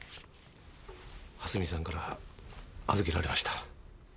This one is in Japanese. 蓮見さんから預けられました。